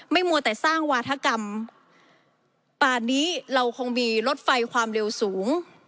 มัวแต่สร้างวาธกรรมป่านนี้เราคงมีรถไฟความเร็วสูง